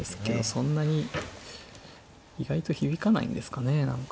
そんなに意外と響かないんですかね何か。